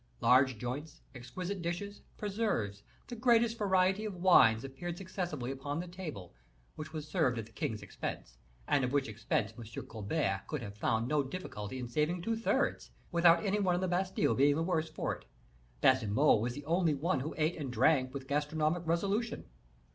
Large joints, exquisite dishes, preserves, the greatest variety of wines, appeared successively upon the table, which was served at the king's expense, and of which expense M. Colbert would have found no difficulty in saving two thirds, without any one in the Bastile being the worse for it. Baisemeaux was the only one who ate and drank with gastronomic resolution.